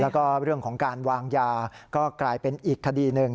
แล้วก็เรื่องของการวางยาก็กลายเป็นอีกคดีหนึ่ง